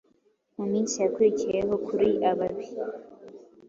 Mu minsi yakurikiyeho kuri ababi